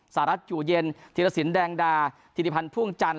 สหรัฐจุเย็นเทียร์สินแดงดาธิริพันธ์พ่วงจันทร์